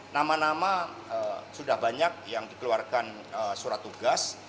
nama nama sudah banyak yang dikeluarkan surat tugas